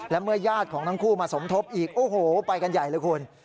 และเมื่อญาติของทั้งคู่มาสมทบอีกโอ้โหไปกันใหญ่เลยคุณ